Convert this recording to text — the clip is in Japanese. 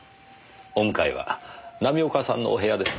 お向かいは浪岡さんのお部屋ですね。